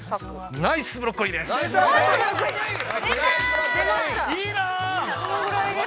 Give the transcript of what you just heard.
◆ナイスブロッコリーです。